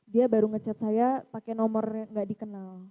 dia baru ngechat saya pakai nomor yang enggak dikenal